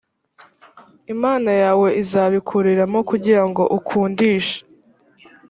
imana yawe izabikuriramo kugira ngo ukundishe